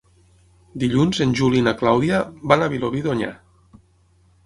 Dilluns en Juli i na Clàudia van a Vilobí d'Onyar.